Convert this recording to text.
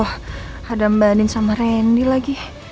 aduh ada mbak anin sama randy lagi